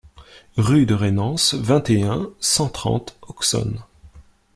Rue de Rainans, vingt et un, cent trente Auxonne